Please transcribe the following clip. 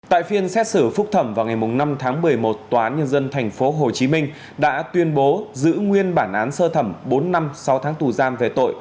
tại phiên xét xử phúc thẩm vào ngày năm tháng một mươi một tòa án nhân dân tp hcm đã tuyên bố giữ nguyên bản án sơ thẩm bốn năm sáu tháng tù giam về tội